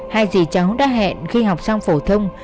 hai dì cháu đã hẹn khi học sang phổ thông